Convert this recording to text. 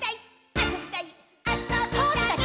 「あそびたいっ！」